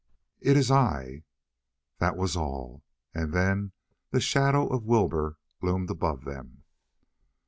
"It is I." That was all; and then the shadow of Wilbur loomed above them.